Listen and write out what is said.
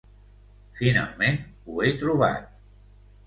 Finalment, ho he trobat...